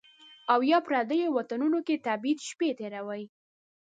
او یا، پردیو وطنونو کې د تبعید شپې تیروي